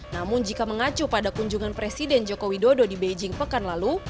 namun jika mengacu pada kunjungan presiden joko widodo di beijing pekan lalu